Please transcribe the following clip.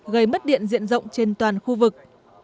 gây mất điện diện rộng trên toàn khu vực